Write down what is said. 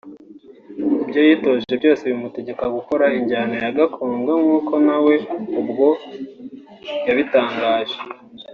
ibyo yitoje byose bimutegeka gukora injyana ya gakondo nk'uko nawe ubwo yabitangaje